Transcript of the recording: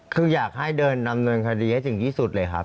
คืออยากให้เดินดำเนินคดีให้ถึงที่สุดเลยครับ